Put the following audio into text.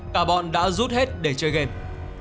cả bọn đã rút hết để chơi game